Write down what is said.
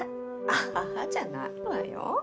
「あははっ」じゃないわよ。